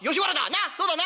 なあそうだな？』。